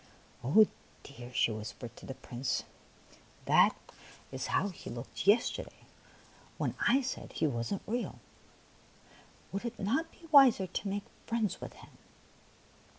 " Oh, dear," she whispered to the Prince, " that 144 THE PALACE ON THE FLOOR is how he looked yesterday when I said he was n't real. Would it not be wiser to make friends with him